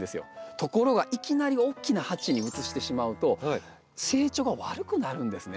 ところがいきなり大きな鉢に移してしまうと成長が悪くなるんですね。